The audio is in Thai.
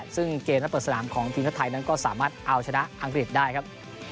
ซึ่งเกมและเปิดสนามของทีมชาติไทยนั้นก็สามารถเอาชนะอังกฤษได้ครับ